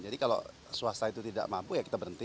jadi kalau swasta itu tidak mampu ya kita berhentiin